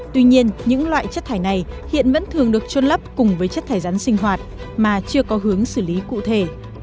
tuy nhiên những loại chất thải này hiện vẫn thường được trôn lấp cùng với chất thải rắn sinh hoạt mà chưa có hướng xử lý cụ thể